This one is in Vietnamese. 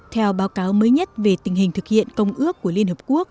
theo báo cáo mới nhất về tình hình thực hiện công ước của liên hợp quốc